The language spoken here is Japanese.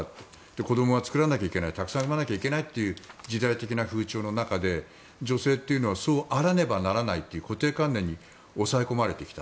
子供は作らなきゃいけないたくさん産まなきゃいけない時代の風潮の中で女性というのはそうあらねばならないという固定観念に抑え込まれてきた。